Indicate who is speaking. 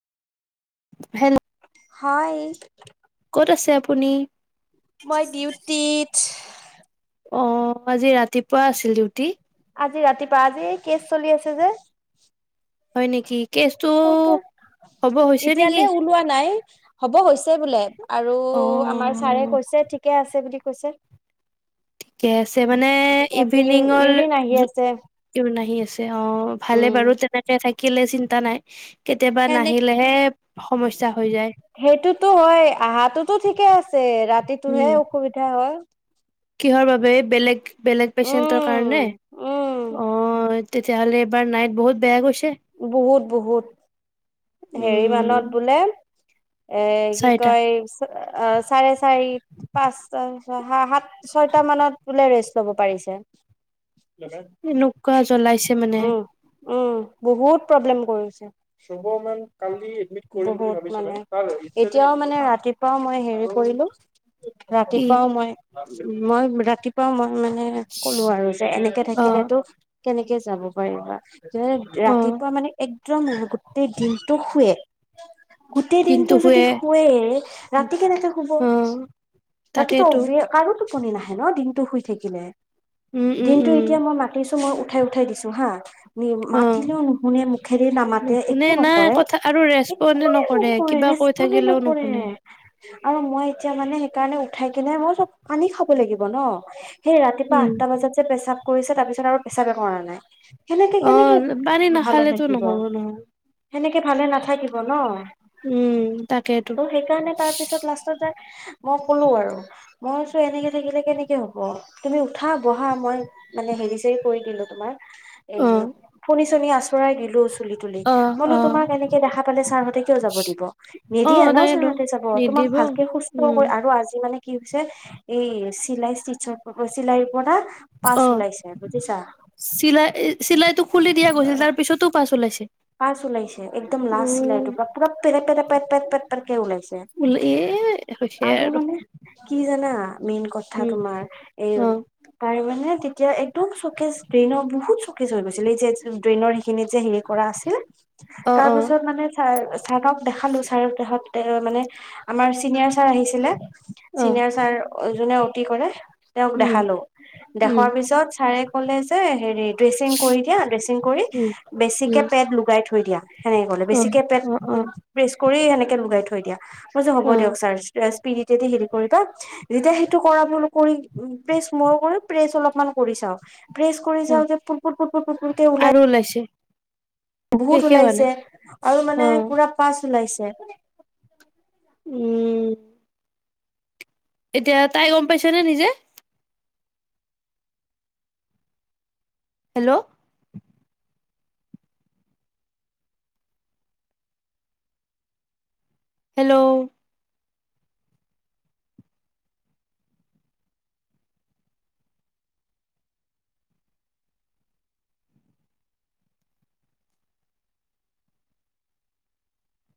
Speaker 1: হেল।
Speaker 2: হয়।
Speaker 1: ক'ত আছে আপুনি।
Speaker 2: মই ডিউটিত।
Speaker 1: অ আজি ৰাতিপুৱা আছিল ডিউটি
Speaker 2: আজি ৰাতিপুৱা আজি এই কেছ চলি আছে যে
Speaker 1: হয় নেকি কেচটো
Speaker 2: সেইকাৰণে
Speaker 1: হব হৈছে
Speaker 2: এতিয়ালে
Speaker 1: নেকি।
Speaker 2: ওলোৱা নাই হ'ব হৈ হৈছে বোলে আৰু আমাৰ ছাৰে
Speaker 1: অ'
Speaker 2: কৈছে ঠিকে আছে বুলি ক কৈছে।
Speaker 1: ঠিকে আছে মানে ইভিনিঙৰ
Speaker 2: ইউৰিন আহি আছে
Speaker 1: ক আহি আছে অ ভালে
Speaker 2: উম
Speaker 1: বাৰু তেনেকে থাকিলে চিন্তা নাই [unintelligible]
Speaker 2: সেনে
Speaker 1: নাহিলেহে সমস্যা হৈ যায়।
Speaker 2: সেইটোতো হয় আহটোতো ঠিকে আছে ৰাতিটোহে
Speaker 1: উম,
Speaker 2: অসুবিধা হয়
Speaker 1: কিহৰ বাবে বেলেগ বেলেগ পেচেন্টৰ
Speaker 2: উম
Speaker 1: কাৰণে
Speaker 2: উম
Speaker 1: অ তেতিয়াহ'লে এবাৰ নাইট বহুত বেয়া গৈছে
Speaker 2: বহুত বহুত হেৰি মান
Speaker 1: উম,
Speaker 2: বোলে এ কি
Speaker 1: চাৰিটা
Speaker 2: কয় চাৰে চাৰি পাঁচ। আহা হাত ছয়টা মানত বোলে ৰেছ চব পাৰিছে
Speaker 1: এনেকুৱা জ্বলাইছে মানে
Speaker 2: অঁহ বহু প্ৰৱেলেম কৰিছে ছয়শমান কালি এই দ মিত ভাৱিছো কাৰণ এতিয়াও মই হেৰি কৰিলো
Speaker 1: কি
Speaker 2: ৰাতিপুৱাও মই মই ৰাতিপুৱাও মই মানে কলো আৰু যে এনেকে
Speaker 1: অ'
Speaker 2: থাকিলেতো কেনেকে যাব পাৰিবা
Speaker 1: অ'।
Speaker 2: ৰাতিপুৱা মানে এক মোৰ গোটেই দিনটো শুৱে।। গোটেই দিনতটো যদি শুৱে ৰাতি কেনেকে শুব
Speaker 1: অ
Speaker 2: ৰাতিটো অ
Speaker 1: তাকেইতো
Speaker 2: আৰু কণনি নাহে ন দিনতটো শুই থাকিলে
Speaker 1: উম উম
Speaker 2: দিনতটো
Speaker 1: উম
Speaker 2: এতিয়া মই মাতিছো মই উঠাই উঠাই দিছো হা। নি মা
Speaker 1: অ
Speaker 2: উঠিলেও নুশুনে মুখেৰে নামাতে
Speaker 1: নুশুনে
Speaker 2: একো
Speaker 1: নাই
Speaker 2: নকৰে
Speaker 1: কথা আৰু
Speaker 2: একো
Speaker 1: ৰেচপণ্ডে
Speaker 2: নকৰে
Speaker 1: কিবা কৈ
Speaker 2: ৰেচপনে
Speaker 1: থাকিলেও
Speaker 2: নকৰে
Speaker 1: নুশুনে
Speaker 2: আৰু মই এতিয়া মানে সেইকাৰণে উঠাই কিনে মই চব পানী খাব লাগিব ন সেই ৰাতিপুৱা
Speaker 1: উম
Speaker 2: আঠটা বজাত যে পেছাব কৰিছে তাৰপিছত আৰু পেছাবে কৰা নাই কেনেকে
Speaker 1: অ
Speaker 2: কেনেকে
Speaker 1: পানী
Speaker 2: ভালে
Speaker 1: নাখালেতো
Speaker 2: থাকিব
Speaker 1: নহ'ব নহয়
Speaker 2: সেনেকে ভালে নাথাকিব ন
Speaker 1: উম তাকেইতো
Speaker 2: ত' সেইকাৰণে তাৰ পিছত লাষ্টত যাই মই কলো আৰু মই চো এনেকে থাকিলে কেনেকে হব তুমি উঠা বহা মই মানে হেৰি চৰি কৰি দিলো তোমাক এই
Speaker 1: অ
Speaker 2: টো আচৰাই দিলো তুলি তুলি
Speaker 1: অ
Speaker 2: মইলো
Speaker 1: অ
Speaker 2: তোমাক এনেকে দেখা পালে ছাৰহঁতে কিয় যাব দিব
Speaker 1: অ
Speaker 2: নিদিয়ে ন
Speaker 1: তাকেতো
Speaker 2: ছাৰহঁতে যাব তোমাক
Speaker 1: নিদিব
Speaker 2: ভালকে সুস্থ
Speaker 1: উম
Speaker 2: আৰু আজি মানে কি হৈছে এই চিলাই ষ্টিচৰ চিলাইৰ পৰানা
Speaker 1: অ চিলাই চিলাইটো খুলি দিয়া গৈছিল তাৰ পিছতো পাছ উলাইছে
Speaker 2: ওলাইছে একদম লাষ্ট চ লাইট পৰা পেৰা পেৰা পে পেত পেত ওলাইছে
Speaker 1: এ
Speaker 2: আৰু মানে কি জানা মেইন কথা
Speaker 1: উম
Speaker 2: তোমাৰ এই
Speaker 1: অ
Speaker 2: তাৰ মানে তেতিয়া একদম চকেজ ড্ৰেইনৰ বহুত চকেচ হৈ গৈছিলে এই যে ড্ৰেইনৰ সেইখিনি যে হেৰি কৰা আছে কি
Speaker 1: অ অ
Speaker 2: তাৰপিছত মানে চাই ছাৰ হতঁক দেখালো ছাৰ দেহত মানে আমাৰ চিনীয়ৰ ছাৰ আহিছিলে
Speaker 1: অ
Speaker 2: কি কৰে তেওঁক
Speaker 1: উম
Speaker 2: দেখালো
Speaker 1: উম
Speaker 2: দেখাৰ পিছত ছাৰে কলে যে হেৰিত ড্ৰেছিং কৰি দিয়া ড্ৰেছিং কৰি
Speaker 1: উম উম
Speaker 2: বেছিকে লগাই থৈ দিয়া সেনেকে গলে
Speaker 1: অ
Speaker 2: বেছিকে পেট
Speaker 1: অ অ
Speaker 2: প্ৰেছ কৰি সেনেকে লগাই থৈ দিয়া মই যে হ'ব
Speaker 1: অ
Speaker 2: দিয়ক ছাৰ পিৰিটে দি হেৰি কৰিবা যেতিয়া সেইটো কৰা কৰি প্ৰেচ মই কৰি প্ৰেচ অলপমান কৰি চাওঁ প্ৰেছ কৰি
Speaker 1: অ
Speaker 2: চাওঁ যে ফুৰপুৰ ফুৰপুৰ ফুৰপুৰকে
Speaker 1: আৰু
Speaker 2: ওলাই
Speaker 1: ওলাইছে
Speaker 2: বহুত
Speaker 1: শেষে হোৱা
Speaker 2: ওলাইছে
Speaker 1: নাই
Speaker 2: আৰু
Speaker 1: অ
Speaker 2: মানে পুৰা পাছ ওলাইছে। ছে
Speaker 1: উম। এতিয়া তাই গম পাইছে নে নিজে হেল্ল', হেল্ল',